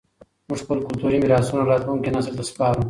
موږ خپل کلتوري میراثونه راتلونکي نسل ته سپارو.